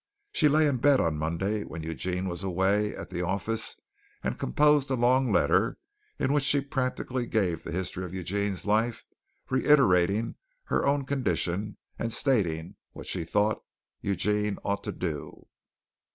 She lay in bed on Monday when Eugene was away at the office and composed a long letter in which she practically gave the history of Eugene's life reiterating her own condition and stating what she thought Eugene ought to do.